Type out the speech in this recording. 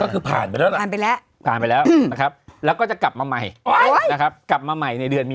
ก็คือผ่านไปแล้วนะผ่านไปแล้วครับแล้วก็จะกลับมาใหม่